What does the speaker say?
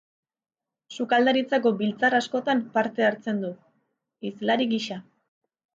Sukaldaritzako biltzar askotan parte hartzen du, hizlari gisa.